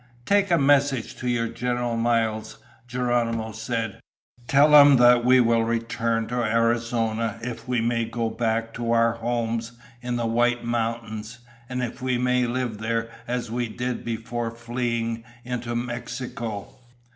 "Take a message to your General Miles," Geronimo said. "Tell him that we will return to Arizona if we may go back to our homes in the White Mountains, and if we may live there as we did before fleeing into Mexico."